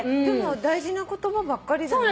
大事な言葉ばっかりだね。